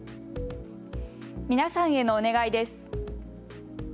皆さんへのお願いです。